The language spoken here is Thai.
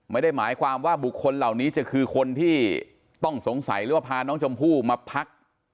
ไม่ได้หมายความว่าบุคคลเหล่านี้จะคือคนที่ต้องสงสัยหรือว่าพาน้องชมพู่มาพัก